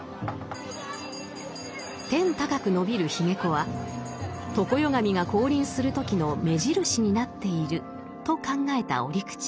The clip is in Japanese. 「天高く伸びる髯籠は常世神が降臨する時の目印になっている」と考えた折口。